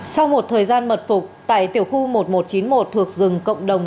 sau một thời gian mật phục tại tiểu khu một nghìn một trăm chín mươi một thuộc rừng cộng đồng